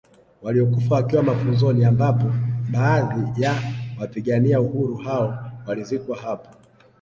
Waliokufa wakiwa mafunzoni ambapo baadhi ya wapigania uhuru hao walizikwa hapo